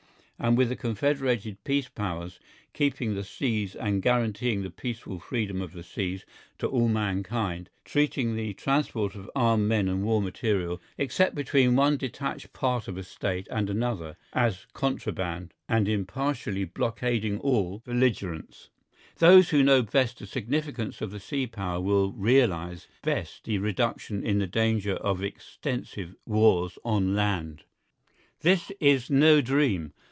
And with the Confederated Peace Powers keeping the seas and guaranteeing the peaceful freedom of the seas to all mankind, treating the transport of armed men and war material, except between one detached part of a State and another, as contraband, and impartially blockading all belligerents, those who know best the significance of the sea power will realise best the reduction in the danger of extensive wars on land. This is no dream.